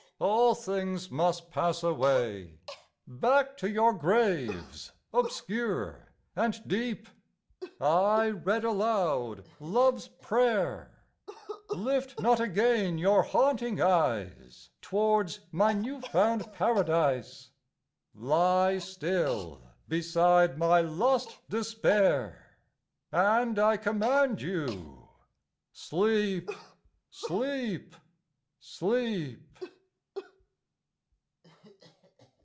all things must pass away, Back to your graves, obscure and deep! I read aloud love's prayer, Lift not again your haunting eyes T'wards my new found Paradise, Lie still beside my lost despair, And I command you—Sleep, Sleep, Sleep!